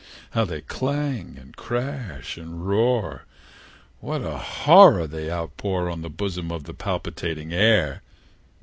How they clang, and clash, and roar! What a horror they outpour On the bosom of the palpitating air!